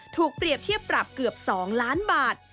ถูกเปรียบเทียบปรับเกือบ๒ล้านบาท